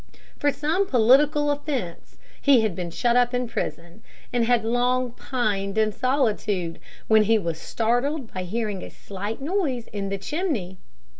For some political offence he had been shut up in prison, and had long pined in solitude, when he was startled by hearing a slight noise in the chimney.